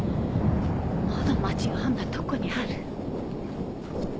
まだ町があんなとこにある。